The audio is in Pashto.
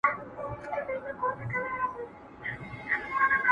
هر غزل ته مي راتللې په هر توري مي ستایلې!